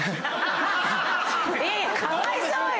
いやいやかわいそうよ！